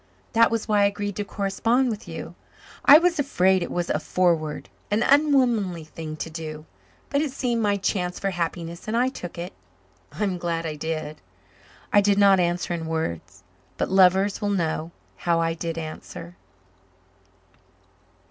That was why I agreed to correspond with you. I was afraid it was a forward an unwomanly thing to do. But it seemed my chance for happiness and I took it. I am glad I did." I did not answer in words, but lovers will know how I did answer.